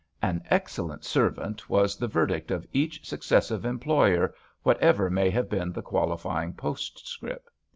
An excellent servant was the verdict of each successive employer, whatever may have been the qualifying postscript.